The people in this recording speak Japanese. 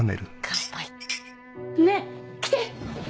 ねぇ来て！